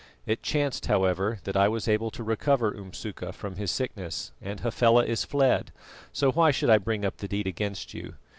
It chanced, however, that I was able to recover Umsuka from his sickness, and Hafela is fled, so why should I bring up the deed against you?